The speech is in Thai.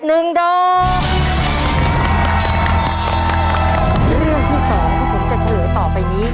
เรื่องที่สองที่ผมจะเฉลยต่อไปนี้